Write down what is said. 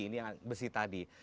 ini yang besi tadi